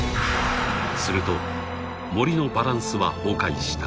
［すると森のバランスは崩壊した］